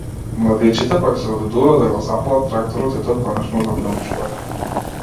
Младичите пак се обидуваат да го запалат тракторот и тој конечно забрмчува.